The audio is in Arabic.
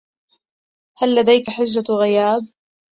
هل لديك حجة غياب ؟